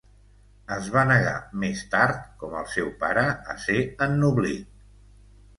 Es va negar més tard, com el seu pare, a ser ennoblit.